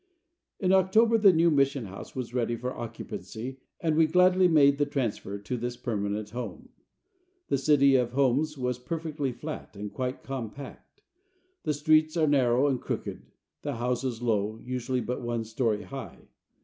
In October the new mission house was ready for occupancy and we gladly made the transfer to this permanent home. The city of Homs is perfectly flat and quite compact. The streets are narrow and crooked, the houses low, usually but one story high.